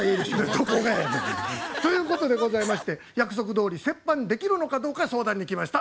どこがやねん。ということでございまして約束どおり折半できるのかどうか相談に来ました。